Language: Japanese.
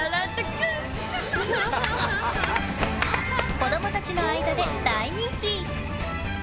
子供たちの間で大人気！